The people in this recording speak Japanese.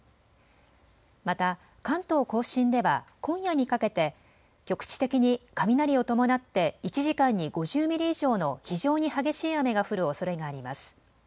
また関東甲信では今夜にかけて局地的に雷を伴って１時間に５０ミリ以上の非常に激しい雨が降るおそれがあります。